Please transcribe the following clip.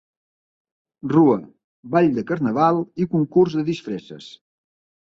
Rua, ball de carnaval i concurs de disfresses.